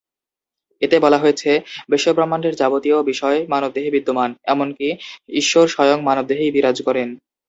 এতে বলা হয়েছে: বিশ্বব্রহ্মান্ডের যাবতীয় বিষয় মানবদেহে বিদ্যমান; এমনকি, ঈশ্বর স্বয়ং মানবদেহেই বিরাজ করেন।